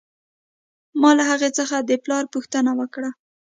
ما له هغې څخه د پلار پوښتنه وکړه